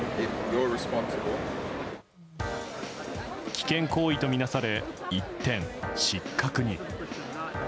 危険行為とみなされ一転失格に。